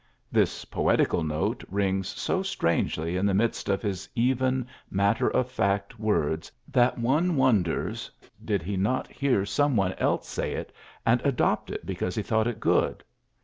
This poetical note rings so strangely in the midst of his even, mat ter of fact words that one wonders|, did he not hear some one else say it^ and adopt it because he thought it good!